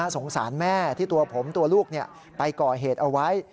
สงสารแม่ที่ตัวผมตัวลูกไปก่อเหตุเอาไว้